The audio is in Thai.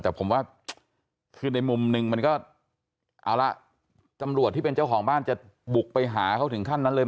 แต่ผมว่าคือในมุมนึงมันก็เอาละตำรวจที่เป็นเจ้าของบ้านจะบุกไปหาเขาถึงขั้นนั้นเลย